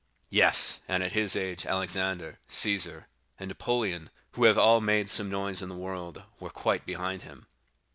"Yes, and at his age, Alexander, Cæsar, and Napoleon, who have all made some noise in the world, were quite behind him."